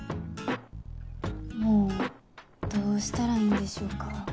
もうどうしたらいいんでしょうか。